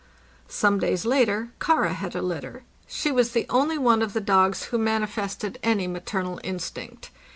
Some days later "Kara" had a litter. She was the only one of the dogs who manifested any maternal instinct.